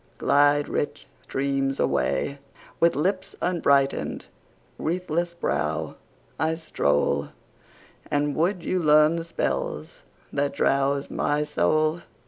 Glide, rich streams, away! 10 With lips unbrighten'd, wreathless brow, I stroll: And would you learn the spells that drowse my soul?